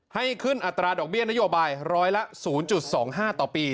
ให้ขึ้นอัตราดอกเบี้ยนโยบายร้อยละ๐๒๕ต่อปี